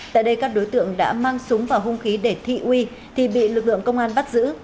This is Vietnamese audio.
tại đây các đối tượng đã mang súng và hung khí để thị uy thì bị lực lượng công an bắt giữ